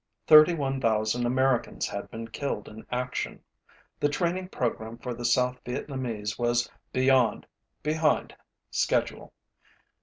Thirty one thousand Americans had been killed in action. The training program for the South Vietnamese was beyond [behind] schedule.